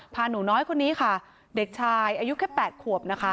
หนูน้อยคนนี้ค่ะเด็กชายอายุแค่๘ขวบนะคะ